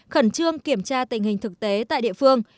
khẩn trương kiểm tra tình hình thực tế tại địa phương